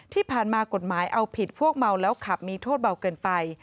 ที่ผ่านมากฎหมายเอาผิดพวกเมาแล้วขับมีโทษเบาเกินไป